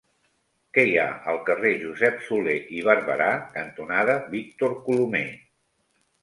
Què hi ha al carrer Josep Solé i Barberà cantonada Víctor Colomer?